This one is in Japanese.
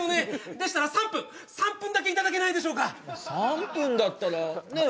でしたら３分３分だけいただけないでしょうか３分だったらねえ